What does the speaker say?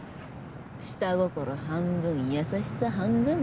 下心半分優しさ半分。